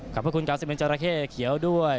ขอบคุณกาวซิเมนจราเข้เขียวด้วย